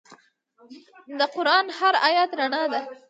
د قرآن هر آیت رڼا ده.